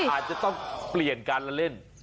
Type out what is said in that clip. อาจจะต้องเปลี่ยนการละเล่น